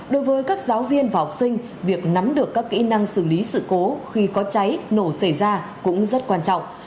đối với các giáo viên và học sinh việc nắm được các kỹ năng xử lý sự cố khi có cháy nổ xảy ra cũng rất quan trọng